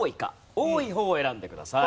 多い方を選んでください。